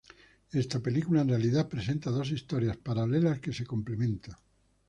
Esta película en realidad presenta dos historias paralelas que se complementan.